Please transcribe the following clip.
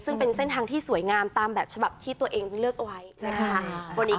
ซึ่งเป็นเส้นทางที่สวยงามตามแบบฉบับที่ตัวเองเลือกเอาไว้นะคะ